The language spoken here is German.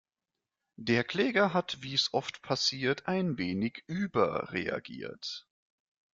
Der Kläger hat, wie’s oft passiert, ein wenig überreagiert.